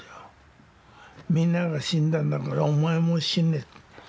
皆が死んだんだからお前も死ね。